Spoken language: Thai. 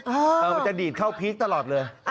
มันจะดีดเข้าพีคตลอดเลย